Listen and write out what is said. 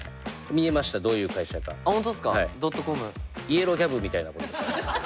イエローキャブみたいなことです。